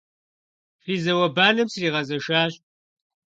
Фи зауэ-банэм сригъэзэшащ.